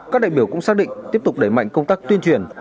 các đại biểu cũng xác định tiếp tục đẩy mạnh công tác tuyên truyền